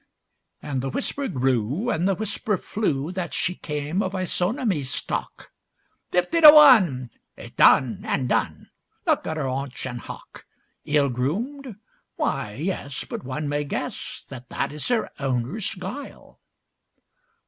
And the whisper grew and the whisper flew That she came of Isonomy stock. 'Fifty to one!' 'It's done—and done! Look at her haunch and hock! Ill groomed! Why yes, but one may guess That that is her owner's guile.